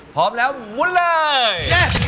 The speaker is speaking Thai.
พร้อมแล้วมุนเลย